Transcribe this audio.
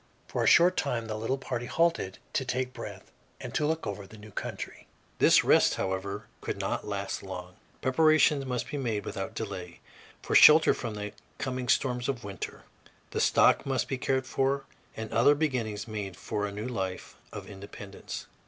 For a short time the little party halted to take breath and to look over the new country. This rest, however, could not last long. Preparations must be made without delay for shelter from the coming storms of winter; the stock must be cared for, and other beginnings made for a new life of independence.